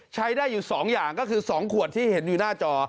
ใช้ได้อยู่๒อย่างก็คือ๒ขวดที่เห็นอยู่หน้าจอ